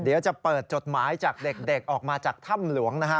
เดี๋ยวจะเปิดจดหมายจากเด็กออกมาจากถ้ำหลวงนะฮะ